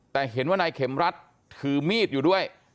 แต่เห็นว่านายเข็มรัฐถือมีดอยู่ด้วย